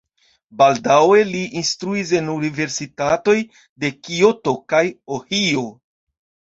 Baldaŭe li instruis en universitatoj de Kioto kaj Ohio.